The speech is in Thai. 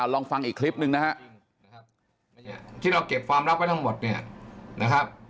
ลองฟังอีกคลิปหนึ่งนะครับที่เราเก็บความลับไว้ทั้งหมดเนี่ยนะครับ